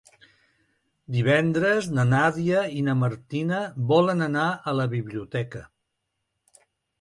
Divendres na Nàdia i na Martina volen anar a la biblioteca.